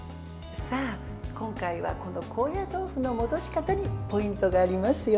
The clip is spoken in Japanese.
今回は高野豆腐の戻し方にポイントがありますよ。